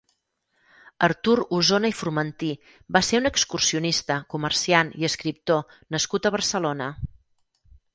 Artur Osona i Formentí va ser un excursionista, comerciant i escriptor nascut a Barcelona.